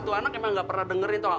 tuh anak emang gak pernah dengerin tau gak